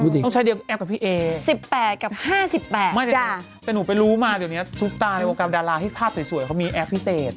ต้องใช้เดียวกับแอปกับพี่เอแต่หนูไปรู้มาเดี๋ยวเนี้ยทุกตาในวงกรามดาราที่ภาพสวยเขามีแอปพี่เตศ